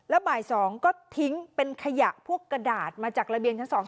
แล้วบ่าย๒ก็ทิ้งเป็นขยะพวกกระดาษมาจากระเบียงชั้น๒